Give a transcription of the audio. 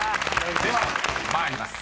［では参ります。